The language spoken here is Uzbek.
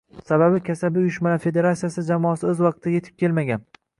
Sababi, Kasaba uyushmalari federatsiyasi jamoasi o'z vaqtida etib kelmagan